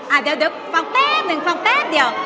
อ่ะเดี๋ยวฟังแป๊บหนึ่งฟังแป๊บเดียว